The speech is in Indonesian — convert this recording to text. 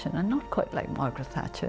saya tidak seperti margaret thatcher